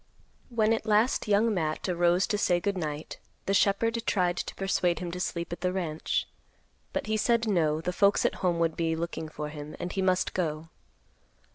When at last Young Matt arose to say good night, the shepherd tried to persuade him to sleep at the ranch. But he said, no, the folks at home would be looking for him, and he must go.